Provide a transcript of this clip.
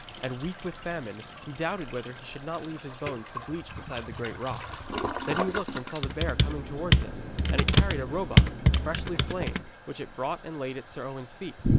And weak with famine, he doubted whether he should not leave his bones to bleach beside the great rock. Then he looked, and saw the bear coming towards him, and it carried a roebuck, freshly slain, which it brought and laid at Sir Owen's feet.